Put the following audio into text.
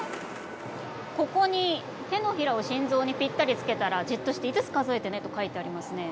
ここに「手のひらを心臓にピッタリつけたら、じっとして５つ数えてね」と書いてありますね。